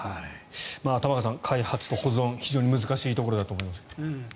玉川さん、開発と保存非常に難しいところだと思います。